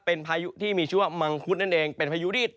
เป็นพายุที่มีชื่อว่ามังคุดนั่นเอง